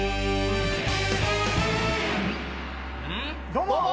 どうも！